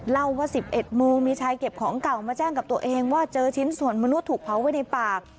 เล่าว่า๑๑โมงมีชายเก็บของเก่ามาแจ้งกับตัวเองว่าเจอชิ้นส่วนมนุษย์ถูกเผาไว้ในปาก